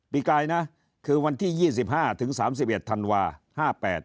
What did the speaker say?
ปีกลายนะคือวันที่๒๕ถึง๓๑ธันวาห์๕๘